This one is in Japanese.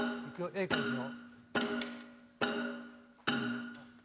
Ａからいくよ。